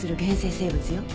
生物よ。